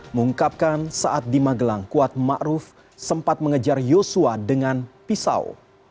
mengungkapkan saat di magelang kuat ma'ruf sempat mengejar yosua dengan pisau